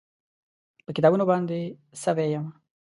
په کتابونو باندې سوی یمه